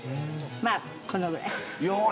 まあこのぐらい。